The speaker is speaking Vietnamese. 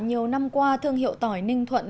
nhiều năm qua thương hiệu tỏi ninh thuật